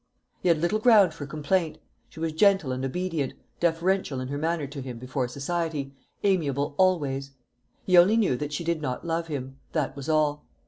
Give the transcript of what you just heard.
He had little ground for complaint. She was gentle and obedient, deferential in her manner to him before society, amiable always; he only knew that she did not love him that was all.